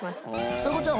ちさ子ちゃん